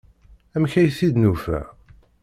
Amek ay t-id-nufa?